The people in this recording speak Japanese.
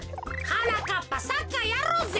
はなかっぱサッカーやろうぜ。